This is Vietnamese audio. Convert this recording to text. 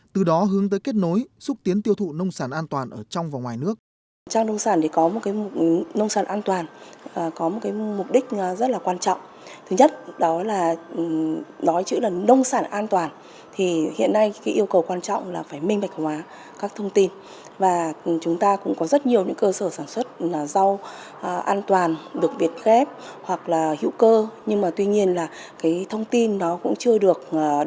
từ đó hướng tới kết nối xúc tiến tiêu thụ nông sản an toàn ở trong và ngoài nước